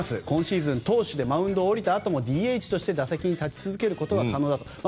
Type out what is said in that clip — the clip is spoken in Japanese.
今シーズン投手でマウンド降りたあともＤＨとして打席に立ち続けることが可能だと。